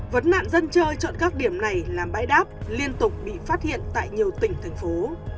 vấn nạn dân chơi chọn các điểm này làm bãi đáp liên tục bị phát hiện tại nhiều tỉnh thành phố